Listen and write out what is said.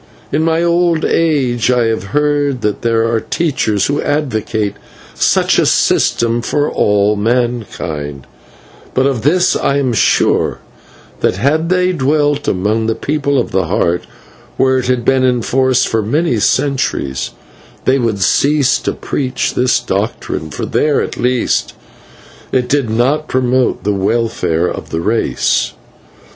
In my old age I have heard that there are teachers who advocate such a system for all mankind, but of this I am sure, that had they dwelt among the People of the Heart, where it had been in force for many centuries, they would cease to preach this doctrine, for there, at least, it did not promote the welfare of the race.